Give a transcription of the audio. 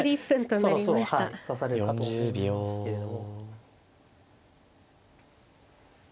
そろそろ指されるかと思いますけれども。